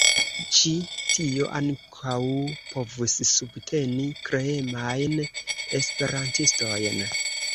Ĉi tio ankaŭ povus subteni kreemajn esperantistojn.